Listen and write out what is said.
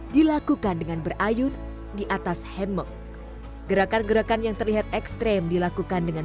dilakukan dengan berayun di atas hemok gerakan gerakan yang terlihat ekstrem dilakukan dengan